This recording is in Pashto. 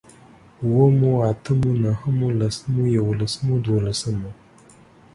اوومو، اتمو، نهمو، لسمو، يوولسمو، دوولسمو